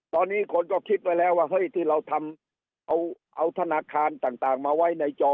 ตอนนี้คนก็คิดไว้แล้วว่าเฮ้ยที่เราทำเอาธนาคารต่างมาไว้ในจอ